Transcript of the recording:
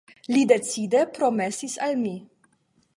Li decide promesis al mi.